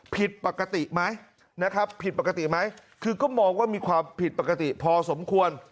ผิดปกติไหมคือก็มองว่ามีความผิดปกติพอสมควร